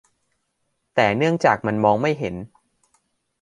แต่เนื่องจากมันมองไม่เห็น